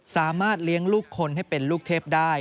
สามารถเลี้ยงลูกคนให้เป็นลูกเทพได้